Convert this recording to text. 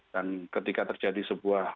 dan ketika terjadi sebuah